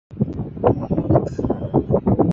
秋鹅观草为禾本科鹅观草属下的一个种。